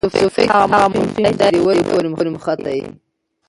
سوفیکس هغه مورفیم دئ، چي د ولي پوري مښتي يي.